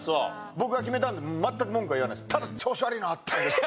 僕が決めたんで全く文句は言わないです。